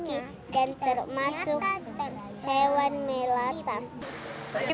dan termasuk hewan melata